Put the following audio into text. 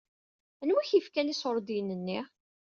Anwi i k-yefkan iṣuṛdiyen-nni?